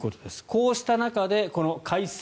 こうした中で改正